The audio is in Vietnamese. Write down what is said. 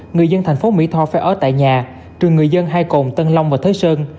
người dân thành phố mỹ tho phải ở tại nhà trừ người dân hai cồn tân long và thới sơn